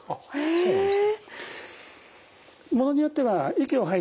そうなんです。